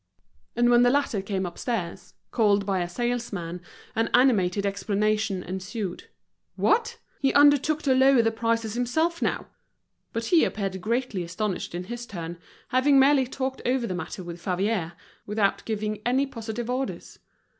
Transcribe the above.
And when the latter came upstairs, called by a salesman, an animated explanation ensued. What! he undertook to lower the prices himself now! But he appeared greatly astonished in his turn, having merely talked over the matter with Favier, without giving any positive orders.